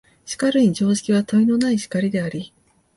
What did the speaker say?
しかるに常識は問いのない然りであり、